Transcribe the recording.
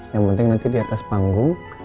yang penting nanti diatas panggung